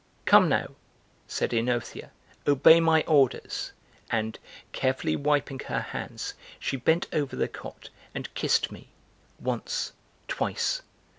"Come now," said OEnothea, "obey my orders," and, carefully wiping her hands, she bent over the cot and kissed me, once, twice!